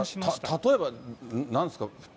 例えばなんですか？